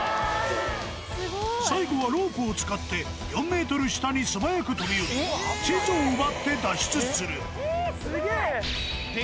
最後はロープを使って、４メートル下に素早く飛び降り、地図を奪って脱出する。